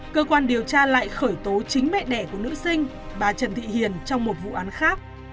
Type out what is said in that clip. cơ quan điều tra lại khởi tố chính mẹ đẻ của nữ sinh bà trần thị hiền trong một vụ án khác